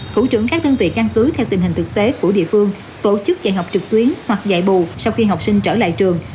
thủ trưởng các đơn vị căn cứ theo tình hình thực tế của địa phương tổ chức dạy học trực tuyến hoặc dạy bù sau khi học sinh trở lại trường